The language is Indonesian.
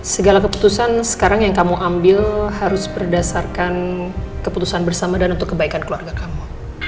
segala keputusan sekarang yang kamu ambil harus berdasarkan keputusan bersama dan untuk kebaikan keluarga kamu